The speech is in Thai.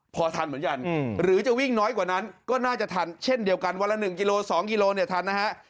พอทันเหมือนกันหรือจะวิ่งน้อยกว่านั้นก็น่าจะทันเช่นเดียวกันวันละ๑กิโล๒กิโลเนี่ยทันนะฮะ